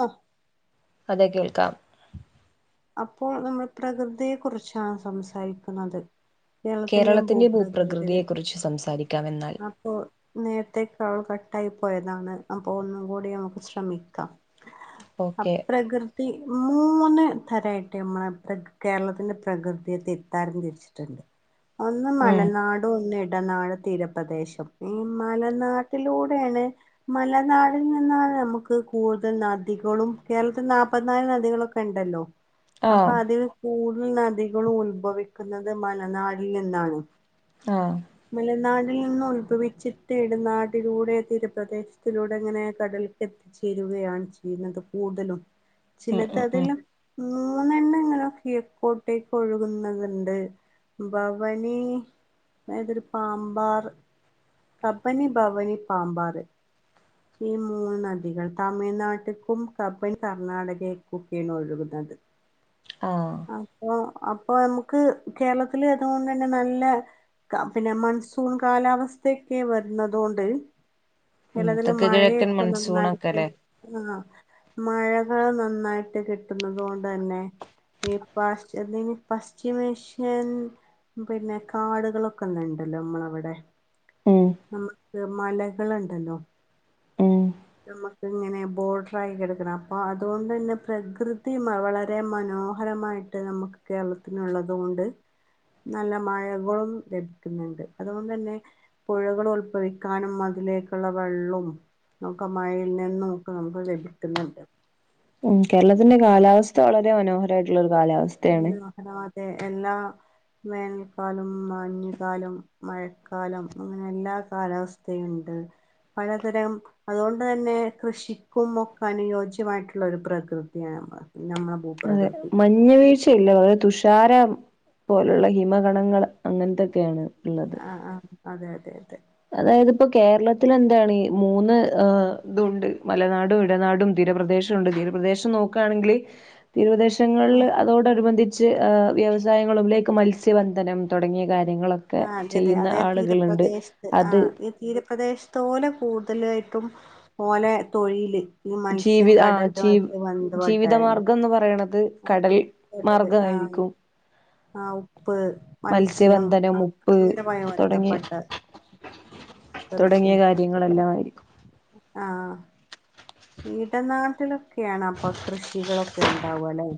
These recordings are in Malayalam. ആഹ് അതെ കേൾക്കാം അപ്പോൾ നമ്മൾ പ്രകൃതിയെ കുറിച്ചാണ് സംസാരിക്കുന്നത് കേരളത്തിന്റെ ഭൂപ്രകൃതി ആഹ് ഭൂപ്രകൃതിയെ കുറിച്ച് സംസാരിക്കാം എന്നാൽ അപ്പോൾ നേരത്തേ കാൾ കട്ടായി പോയതാണ് അപ്പൊ ഒന്നും കൂടി നമുക്ക് ശ്രമിക്കാം ഓക്കെ അപ്രകൃതി മൂന്ന് തരായ്ട്ട് നമ്മളെ പ്രക് കേരളത്തിന്റെ പ്രകൃതിയെ തിര് തരംതിരിച്ചിട്ടുണ്ട് ഒന്ന് ഉം മലനാട് ഒന്നു ഇടനാട് തീര പ്രദേശം ഈ മലനാട്ടിലൂടേയാണ് മലനാടിൽ നിന്നാണ് നമുക്ക് കൂടുതൽ നദികളും കേരളത്തിൽ നാപ്പത് നാല് നദികളൊക്കെ ക്കെണ്ടല്ലോ അപ്പൊ ആഹ് അതിൽ കൂടുതൽ നദികളും ഉത്ഭവിക്കുന്നത് മലനാടിൽ നിന്നാണ് ആഹ് മലനാടിൽ നിന്നും ഉത്ഭവിച്ചിട്ട് ഇടനാടിലൂടെ തീരപ്രദേശത്തിലൂടെങ്ങനെ കടൽക്കെത്ത് ചേരുകയാണ് ചെയ്യുന്നത് കൂടുതലും ഉം ചിലത് ഉം ഉം അതില് മൂന്നെണ്ണം ന്നെണ്ണം കിഴക്കോട്ടേക്കൊഴുക്കുന്നത്ണ്ട് ഭവാനി മേതൊരു പാമ്പാറ് കബനി ഭവാനി പാമ്പാറ് ഈ മൂന്ന് നദികൾ തമിഴ്നാട്ട്ക്കും കബനി കർണാടകേകൊക്കെണ് ഒഴുകുന്നത് [unintelligible] ആഹ് അപ്പൊ അപ്പൊ നമുക്ക് കേരളത്തില് അതുകൊണ്ടന്നെ നല്ല ക പിന്നെ മൺസൂൺ കാലാവസ്ഥയെക്കെ വരുന്നതുകൊണ്ട് ഉം ചെലതില് തെക്ക് കിഴക്കൻ മഴയെക്കെ നന്നായിട്ട് മൺസൂണൊക്കെല്ലേ ആഹ് മഴകൾ നന്നായിട്ട് കിട്ടുന്നതോണ്ടന്നെ ഈ പാഷ് എന്തേതി പശ്ചിമേഷ്യൻ പിന്നെ കാടുകളൊക്കെന്ന്ണ്ടല്ലോ ഇമ്മളെ ഇവിടെ ഉം നമ്മക്ക് മലകള്ണ്ടല്ലോ ഉം നമ്മക്കിങ്ങനെ ബോർഡ്രായി കെടക്കണെ അപ്പൊ അതോണ്ടന്നെ പ്രകൃതി വളരെ മനോഹരമായി യിട്ട് നമക്ക് കേരളത്തിന് ഉള്ളതുകൊണ്ട് നല്ല മഴകളും ലഭിക്കുന്നുണ്ട് അതുകൊണ്ടന്നെ പുഴകൾ ഉത്ഭവിക്കാനും അതിലേക്കുള്ള വെള്ളും ഒക്കെ മഴയിൽ നിന്നും ഒക്കെ നമുക്ക് ലഭിക്കുന്ന്ണ്ട്. ഉം കേരളത്തിന്റെ കാലാവസ്ഥ വളരെ മനോഹരായിട്ടുള്ളൊരു കാലാവസ് [unintelligible] അതെ എല്ലാ വേനൽക്കാലും മാഞ്ഞുകാലും മഴക്കാലം അങ്ങനെ എല്ലാ കാലാവസ് സ്ഥയുണ്ട് പലതരം അതുകോണ്ട്തന്നെ കൃഷിക്കും ഒക്കെ അനുയോജ്യമായിട്ടുള്ള ഒരു പ്രകൃതിയാണ് നമ്മളത് നമ്മെള അതെ മ മഞ്ഞ് വീഴ്ചയില്ല വളരെ തുഷാര പോലുള്ള ഹിമകണങ്ങൾ അങ്ങൻത്തൊക്കെയാണ് ഇള്ളത് ആഹ് ആഹ് അതെ അതെ അതെ അതായത്പ്പോ കേരളത്തിലെന്താണ് മൂന്ന് ഇഹ് ഇതൂണ്ട് മലനാടും, ഇടനാടും തീരപ്രദേശം റ്റുണ്ട് തീരപ്രദേശം നോക്കാണെങ്കില് തീരപദേശ ശങ്ങൾള് ആഹ് അതോടനുബന്ധിച്ച് വ്യവസായങ്ങളും ലൈക് മത്സ്യബന്ധനം തൊടങ്ങിയ കാര്യങ്ങളൊ ക്കെ ആഹ് അതെ അതെ ചെയ്യുന്ന അതേ ആള്കള്ണ്ട് തീരപ്രദേശത്ത് ആഹ് ഈ തീരപ്രദേശത്തോലെ കൂടുതലായിട്ടും ഓലെ തൊഴില് ഈ മത്സ്യം ജീവി ആഹ് ജീ കടലുമായിട്ട് ബന്ധപ്പെട്ടാണ് ജീവിതമാർഗംന്ന് പറയണത് ആഹ് കടൽ കടല് മാർഗായിരിക്കും ആഹ് ഉപ്പ്, മത്സ്യം മത്സ്യബന്ധനം അ ഉപ്പ് അങ്ങനെ ഭയ തുടങ്ങിയ ബന്ധപ്പെട്ട് [unintelligible] തുടങ്ങിയ കാര്യങ്ങളെല്ലാം ആയിരിക്കും ആഹ് ഇടനാട്ടിലൊക്കെയാണ് അപ്പൊ കൃഷികളൊ ക്കെ ണ്ടാവാ ലേ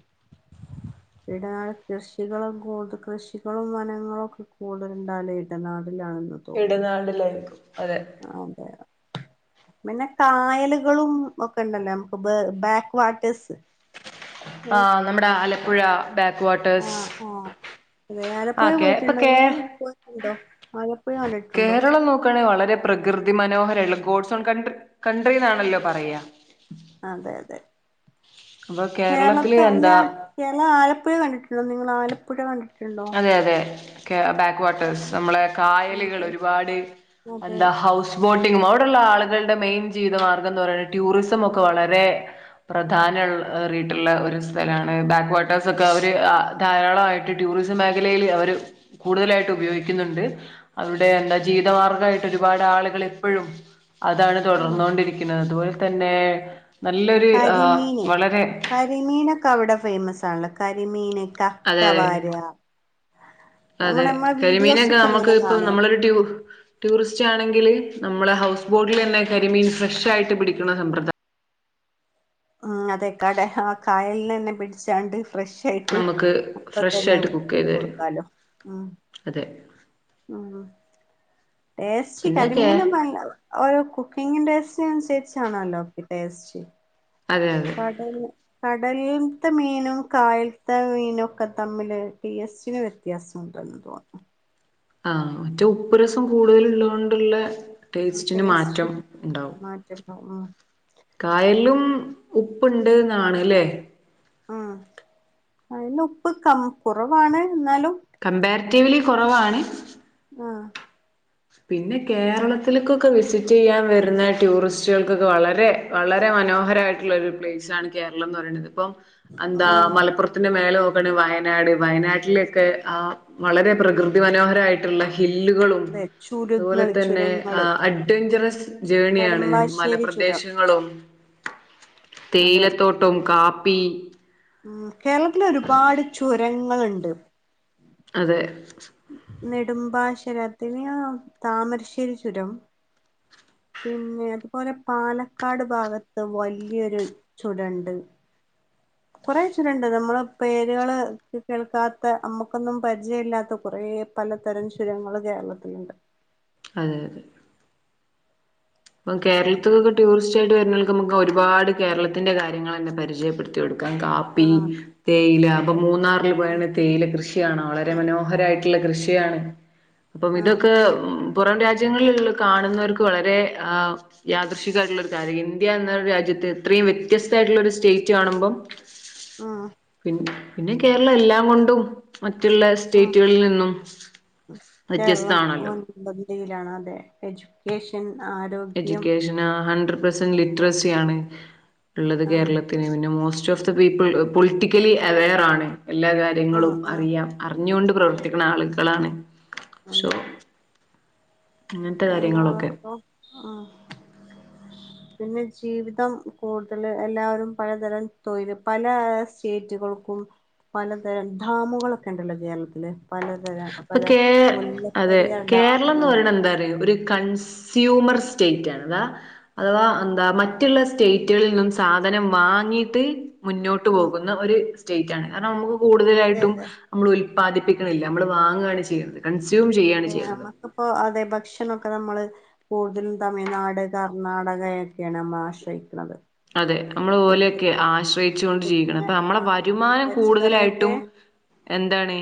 ഇടനാട് കൃഷികളും കൂടുത കൃഷികളും വനങ്ങളും ഒക്കെ കൂടുതല്ണ്ടാവലെ ഇടനാടിലാണെന്നും ഇടനാടിലായിരിക്കും അതെ അതെ പിന്നെ കായലുകളും ഒക്കെ ഇണ്ടല്ലോ നമുക്ക് ബാക്ക് വട്ടേഴ്സ് ആഹ് നമ്മുടെ ആലപ്പുഴ ബാക്ക് വാട്ടേഴ്സ് ആഹ് അതെ ആലപ്പുഴ ആഹ് കേ ഇപ്പൊ കേ പോയിട്ടുണ്ടോങ്ങള് പോയിട്ടുണ്ടോ ആലപ്പുഴ കണ്ടിട്ടുണ്ടോ ക്കാണേ വളരെ പ്രകൃതി മനോഹരള്ളെ ഗോഡ്സ് ഓൺ കൺണ്ട്രികൺഡ്രിന്നാണല്ലോ പറയാ അതെ അതെ അപ്പൊ കേരളത്തില് കേരളത്ത് അല്ല എന്താ എല ആലപ്പുഴ കണ്ടിട്ടുള്ളോ നിങ്ങള് ആലപ്പുഴ കണ്ടി അതെ അതെ ക്കെ ബാക്ക് വട്ടേഴ്സ് നമ്മളെ കായലുകൾ അതെ ഒരുപാട് അതെ എന്താ ഹൗസ് സ് ബോട്ടിങ്ങും അവിടെള്ള ആളുകളുടെ മെയിൻ ജീവിത മാർഗം എന്ന് പറയ ടൂറിസം ഒക്കെ വളരെ പ്രധാനല്ലാ റീട്ടുള്ള ഒരു സ്ഥലാണ് ബാക്ക് വാട്ടേഴസ് ഒക്കെ അവര് ധാരാളമായിട്ട് ടൂറിസം മേഖലയില് അവര് കൂടുതലായിട്ട് ഉപയോഗിക്കുന്നുണ്ട് അവരുടെ എന്താ ജീതമാർഗ്ഗായി ഒരുപാട് ആളുകൾ ഇപ്പൊഴും അതാണ് ആ തുടർന്നൊണ്ടിരിക്കുന്നത് അതുപോലെ തന്നെ നല്ലൊര് ആഹ് വളരെ ഈ മീനൊക്കെ അവിടെ ഫേമസ് ആണല്ലോ കരിമീന് അതെ അതെ കക്കവാരാ അതെ കരിമീനൊക്കെ നമ്മുക്ക് ഇങ്ങനെ ഇപ്പ കാണാം നമ്മളൊരു ട്യൂ ടൂറിസ്റ്റ് ആണെങ്കില് നമ്മള് ഹൗസ് ബോട്ടിൽ തന്നെ കരിമീൻ ഫ്രഷ് ആയിട്ട് പിടിക്കുന്ന സമ്പ്രദാ ഉം അതെ കട ആഹ് കായൽന്നന്നേ പിടിച്ചാണ്ട് ഫ്രഷ് റ്റായിട്ട് നമുക്ക് അപ്പ ഫ്രഷ് തന്നെ ആയിട്ട് കുക്ക് ചെയ്ത് [unintelligible] തരും കൊടുക്കാലോ ഉം അതെ ആഹ് ടേസ്റ്റ് പിന്നെ കേ കരിമീനൊക്കെ അങ്ങ ഓരോ കുക്കിംഗിന്റെസ് അനുസരിച്ചാണല്ലോ ഒക്കെ ടേസ്റ്റ് അതെ അതെ കടല് കടലിൽത്തെ മീനും കായൽത്തെ മീനും ഒക്കെ തമ്മില് ടേസ്റ്റിന് വ്യത്യാസവുണ്ടല്ലോ എന്തുവാ ആഹ് മറ്റേ ഉപ്പു രസം കൂടുതല്ള്ളോണ്ട് ള്ളെ ആ ടേസ്റ്റ് മാറ്റണ്ടാവും ആഹ് കായലും ഉപ്പുണ്ട് ന്നാണ്ല്ലേ ഉം അതിന്റെ ഉപ്പ് കം കുറവാണ് എന്നാലും കംമ്പാരിറ്റീവ്ലി കുറവാണ് ആഹ് പിന്നെ കേരളത്തിലേക്കൊക്കെ വിസിറ്റ് ചെയ്യാൻ വരുന്ന ടൂറിസ്റ്റുകൾക്കൊക്കെ വളരെ വളരെ മനോഹരമായിട്ടുള്ള ഒരു പ്ലേസ്സാണ് കേരളം എന്ന് പറയണത് ഇപ്പം എന്താ ആഹ് മലപ്പുറത്തിന്റെ മേ വയനാട് വയനാട്ടിലൊക്കെ ആ വളരെ പ്രകൃതി മനോഹരമായിട്ടുള്ള ഹില്ലുകളും അതെ അതുപോലെ ചുരങ്ങള് തന്നെ ചുരങ്ങള് അഡ്വെഞ്ചറസ് ജേർണിയാണ് മലപ്രദേശങ്ങളും ഉ തേയിലത്തോട്ടം കാപ്പി ഉം കേരളത്തിൽ ഒരുപാട് ചുരങ്ങളുണ്ട് അതെ നെടുമ്പാശ്ശരത്തിന് താമരശ്ശേരി ചുരം പിന്നെ അതുപോലെ പാലക്കാട് ഭാഗത്ത് വലിയൊരു ചുരണ്ട് കുറെ ച്ചുരണ്ട് നമ്മള് പേരുകൾ കേൾക്കാത്ത നമ്മുക്കൊന്നും പരിചയ ഇല്ലാത്ത കുറെ പലതരം ചുരങ്ങൾ കേരളത്തിലുണ്ട് അതെ അതെ കേരളത്തിലൊക്കെ ടൂറിസ്റ്റ് യിട്ട് വരുന്നോൽക്ക് നമുക്ക് ഒരുപാട് കേരളത്തിന്റെ കാര്യങ്ങൾ തന്നെ പരിചയപ്പെടുത്തി കൊടുക്കാം. കാപ്പി ആഹ് പ്പി തേയില അപ്പൊ അതെ മൂന്നാറിൽ പോയ തേയില കൃഷിയാണ് വളരെ മനോഹരായിട്ടുള്ള കൃഷിയാണ് അപ്പം ആഹ് ഇതൊക്കെ പേ പുറം രാജ്യങ്ങളിൽ കാണുന്നവർക്ക് വളരെ ആഹ്. യാദൃഷികയിട്ടുള്ള ഒരു കാര്യം ഇന്ത്യ എന്നരു രാജ്യത്ത് ഇത്രയും വ്യത്യസ്തായിട്ടുള്ളൊരു സ്റ്റേറ്റ് കാണുമ്പം. ആഹ് പി പിന്നെ കേരളം എല്ലാം കൊണ്ടും. മറ്റുള്ള ആഹ് സ്റ്റേറ്റുകളിൽ നിന്നും. കേരളം വ്യത്യസ്തമാണല്ലോ വന്തിതിയിലാണ് അതെ എജ്യൂക്കേഷൻ ആഹ്. എഡ്യൂക്കേഷൻ ഹണ്ട്രഡ് പെർസെന്റ് ആഹ് ലിട്രസിയാണ് ഇള്ളത് ആഹ് കേരളത്തി. ല് പിന്നെ മോസ്റ്റ്ഫ്ത പീപ്പ്ൾ പൊളിറ്റിക്കലി അവേറാണ് എല്ലാ കാ ആഹ് കാര്യങ്ങളും ആഹ് അറിയാം അറിഞ്ഞുകൊണ്ട് പ്രവർത്തിക്കുന്ന ആളുകളാണ് ശൊ. അതെ അങ്ങനത്തെ കാര്യങ്ങളൊക്കെ. എല്ലാവർക്കും ആഹ്. പിന്നെ ജീവിതം കൂടുതല് എല്ലാവരും പലതരം തൊഴില് പല സ്റ്റേറ്റുകൾക്കും. പലതരം ഡാമുകളൊക്കെ ഉണ്ടല്ലോ കേരളത്തില്. പലതരം ഇപ്പൊ പല കേ അതെ മുല്ലപ്പെരിയാർ കേരളം ഡാം എന്ന് പറയണ എന്താറിയൊ ഒരു കൺസ്. സ്യൂമർ സ്റ്റേറ്റണതാ. അഥവാ എന്താ മറ്റുള്ള സ്റ്റേറ്റുകളിൽ നിന്നും സാധനം വാങ്ങിട്ട്. മുന്നോട്ട് ആ പോകുന്ന ഒരു സ്റ്റേറ്റാണ് കാരണം നമുക്ക് അതെ കൂടുതലായിട്ടും അതെ നമ്മൾ ഉല്പാദിപ്പിക്കണില്ല. നമ്മള് വാങ്ങാണ് ചെയ്യണത് കൺസ്യൂം ചെയ്യണ് ചെയ്യണത്. അപ്പൊ അതെ ഭക്ഷണൊക്കെ നമ്മള്. കൂടുതലും തമിഴ്നാട് കർണാടകയൊക്കെയാണ് നമ്മളാശ്രയിക്കുന്നത്. അതെ നമ്മള് ഓലെയൊക്കെ ആശ്രയിചോണ്ട് ജീവിക്കണം ഫുഡിനെ അപ്പൊ ആ നമ്മെളെ വരുമാനം പച്ചക്കറിയൊക്കെ കൂടുതലായിട്ടും. എന്താണ്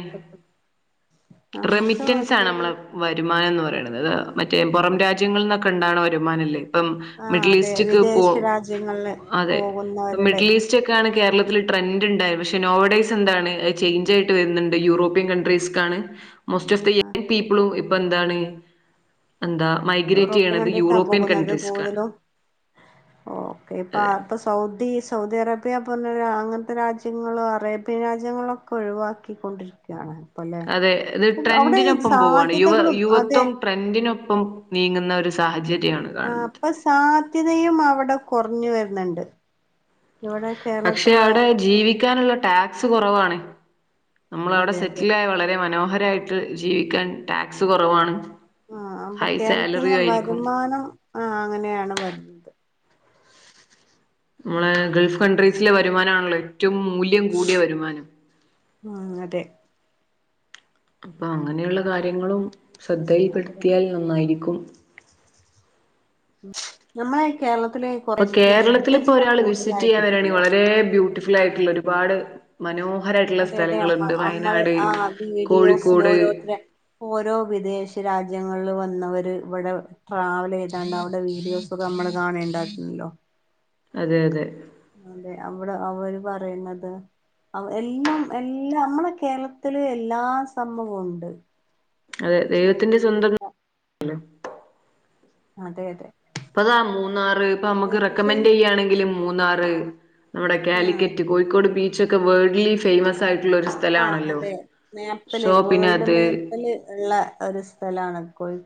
നമുക്ക് റെമിറ്റൻസാണ് ഒരുപാട് നമ്മള്. വരുമാനംന്ന് പറയണത് മറ്റേ പൊറം അത് രാജ്യങ്ങളിൽനിന്നൊക്കെ ഇണ്ടാവണ വരുമാനംല്ലേ. ഇപ്പം മിഡിലീസ്റ്റ്ക്ക് പോ. രാജ്യങ്ങളിൽ പോകുന്നവരുടെ. ചെക്കാണ് കേരളത്തിൽ ട്രെൻഡ് ണ്ടായ, പക്ഷെ നോവഡൈസ് എന്താണ് ചേഞ്ച ആയിട്ട് വരുന്നുണ്ട്. യൂറോപ്യൻ കൺട്രീസ്, ക്കാണ് മോസ്റ്റ് ഓഫ് ദി ആ പീപ്പിളും ഇപ്പോ എന്താണ്, എന്താ? മൈഗ്രേറ്റ് യൂറോപ്യൻ ചെയ്യണത് കൺട്രിക്കാ യൂറോപ്യൻ പോകുന്നത് കൺട്രീസ്ക്കാണ്. കൂടുതലും ഓക്കെ അതെ. പാപ്പസ്. സൗദി, സൗദി അറേബ്യ പറഞ്ഞ- അങ്ങനത്തെ രാജ്യങ്ങള് അറേബ്യൻ രാജ്യങ്ങളൊക്കെ- ഒഴിവാക്കിക്കൊണ്ടിരിക്കും. ക്കാണ് അപ്പല്ലേ, അതെ ഇത് അവിടെ സാധ്യതകളും അതെ, ട്രെന്റിനൊപ്പം നീങ്ങുന്ന ഒരു സാഹചര്യണ്. അപ്പോ സാധ്യതയും അവിടെ കൊറഞ്ഞുവരുന്നുണ്ട് ഇവിടെക്കെ, പക്ഷെ അവിടെ ജീവിക്കാനുള്ള ടാക്സ് കൊറവാണ്. നമളവിടെ അതെ അതെ സെറ്റിലായ് വളരെ മനോഹരായിട്ട് ജീവിക്കാൻ ടാക്സ് കൊറവാണ്. ആ അപ്പോ കേരളത്തിൽ നിന്ന് വരുമാനം ആ അങ്ങനെയാണ് വരുന്നത്. അതെ ഗൾഫ് കൺട്രീസിലെ വരുമാനാണല്ലോ, ഏറ്റും മൂല്യം കൂടിയ വരുമാനം. അതെ. അങ്ങനെയുള്ള കാര്യങ്ങളും- അതെ ശ്രദ്ധയിൽപ്പെടുത്തിയാൽ- നന്നായിരിക്കും. നമ്മള കേരളത്തിലെ- കേരളത്തില് ഇപ്പോ ഒരാള് വിസിറ്റ് ചെയ്യാൻ വരാവാണെങ്കി, കിട്ടുമല്ലോ വളരെ ബ്യൂട്ടിഫുൾ ആയിട്ടുള്ള ഒരുപാട്, മനോഹരായിട്ടുള്ള അതെ അതെ അമ്മ സ്ഥലങ്ങളുണ്ട്. നമ്മൾ വയനാട്, ആ വീഡിയോസിൽ കോഴിക്കോട്, ഓരോരുത്തരെ ഓരോ വിദേശ രാജ്യങ്ങളിൽ വന്നവര് ഇവിടെ- ട്രാവൽ ചെയ്താണ്ട് അവിടെ- വീഡിയോസ ഒക്കെ നമ്മള്- കാണേണ്ടായിരുന്നല്ലോ. അതെ അതെ. അതെ അവടെ അവര് പറയുന്നത്. എല്ലാം, എല്ലാ നമ്മളെ കേരളത്തില് എല്ലാ സംഭവവും ഉണ്ട്. അതെ ദൈവത്തിന്റെ സ്വന്തം. അതെ, അതെ. ഇപ്പതാ മൂന്നാറ്, ഇപ്പ നമുക്ക്- പക്ഷെ റെക്കമെന്റെയ്യണെങ്കിൽ മൂന്നാറ്. നമ്മുടെ ആ കാലിക്കറ്റ് കോഴിക്കോട് ബീച്ചൊക്കെ വേൾഡ്ലി ഫേമസ് ആയിട്ടുള്ളൊരു. ആഹ് അതെ മേപ്പില് വേൾഡ് അത് മേപ്പില് ള്ള ഒരു സ്ഥലണ്.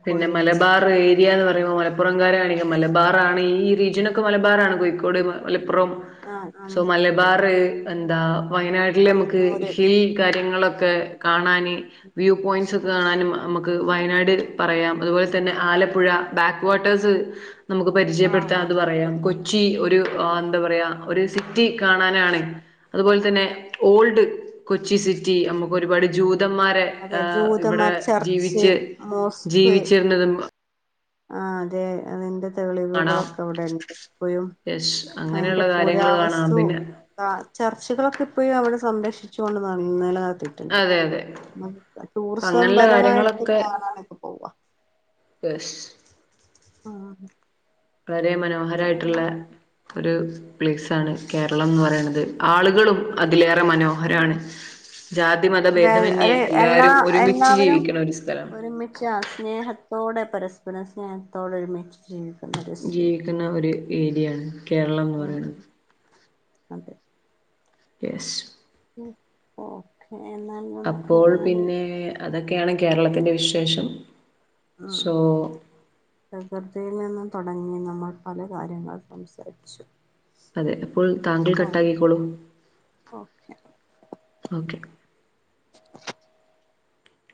പിന്നെ മലബാറ്, യ് പറയുമ്പോൾ മലപ്പുറം കാരണെങ്കിൽ മലബാറ ആണ് ഈ റീജിയന ഒക്കെ മലബാറ ആണ് കോഴിക്കോട് മലപ്പുറം. ആ ആ സോ മലബാർ, എന്താ വയനാട്, [unintelligible] നമക്ക് കണ്ണൂര് ഹിൽപോയിന്റ്, കാര്യങ്ങളൊക്കെ കാണാന് വ്യൂ പോയിന്റ്സ് ഒക്കെ കാണാനും നമക്ക്, നമക്ക് വയനാട് പറയാം. അതുപോലെ തന്നെ ആലപ്പുഴ ബാക്ക് വാട്ടെഴ്സ്. നമുക്ക് ആ പരിചയപ്പെടുത്താനത് ആലപ്പുഴ പറയാം കൊ- ച്ചി ഒരു എന്താ പറയാ, ഒരു സിറ്റി കാണാനാണ്- അതുപോലെ തന്നെ ഓൾഡ് കൊച്ചി സിറ്റി നമുക്കൊരുപാട് ജൂതന്മാരെ. അതെ ് [unintelligible] ഇവിടെ ജൂതന്മാർ ചർച്ച് ജീവിച്ച്. [unintelligible] ജീവിച്ചിരുന്നതും, ആഹ് അതെ അതിന്റെ- കാണാം തെളിവുകളൊക്കെ ഇവിടെണ്ട്, ഇപ്പയും യെസ് അതിന്റെ അങ്ങനെയുള്ള കാര്യങ്ങൾ കാണാം പുരാവസ്തു. പിന്നെ ആഹ് ചർച്ചകളൊക്കെപ്പഴും, അവിടെ സംരക്ഷിച്ചുണ്ടന്ന ഇന്നലെ കാലത്ത്. അതെ അതെ അപ്പൊ അങ്ങനെയുള്ള ടൂറിസംപരമായിട്ട് കാര്യങ്ങളൊക്കെ കാണാനൊക്കെ പോവ. [unintelligible] ഉം. വളരെ മനോഹരമായിട്ടുള്ള ഒരു പ്ലേസാണ് കേരളംന്ന് പറയ്ണത്. ആളുകളും അതിലേറെ മനോഹരമാണ്. ജാതിമതഭേദമന്യേ ഒരു എല്ലാ എല്ലാരും ഒരുമിച്ച് എല്ലാവരും ജീവിക്കണ ഒരു സ്ഥലം. ത്തോടെ പരസ്പരം സ്നേഹത്തോടെ ഒരുമിച്ച് ജീവി ജീവിക്കുന്ന ഒരു ഏരിയാണ് കേരളം ന്ന് ഉം പറയണത്. അതെ എസ് ഓക്കെ എന്നാൽ നമുക്ക് അപ്പോൾ അങ്ങനെ പിന്നെ അതൊക്കെയാണ് കേരളത്തിൻ്റെ വിശേഷം ഉം സോ പ്രകൃതിയിൽ നിന്നും തൊടങ്ങി നമ്മൾ പല കാര്യങ്ങളും സംസാരിച്ചു. അതെ അപ്പോൾ താങ്കൾ ഓക്കെ കട്ടാക്കിക്കോളൂ ഓക്കെ ഓക്കെ.